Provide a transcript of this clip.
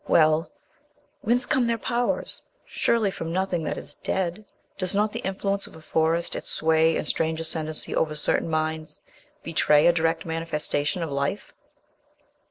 Well ... whence come these powers? Surely from nothing that is ... dead! Does not the influence of a forest, its sway and strange ascendancy over certain minds, betray a direct manifestation of life?